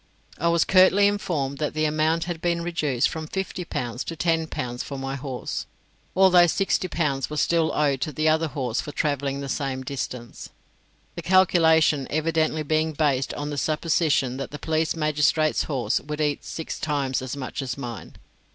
I was curtly informed that the amount had been reduced from fifty pounds to ten pounds for my horse, although sixty pounds was still allowed to the other horse for travelling the same distance, the calculation evidently being based on the supposition that the police magistrate's horse would eat six times as much as mine.